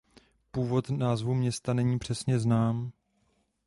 Původ názvu města není přesně znám.